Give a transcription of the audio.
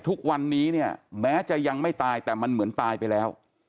ทุกวันนี้เนี่ยแม้จะยังไม่ตายแต่มันเหมือนตายไปแล้ว